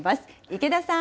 池田さん。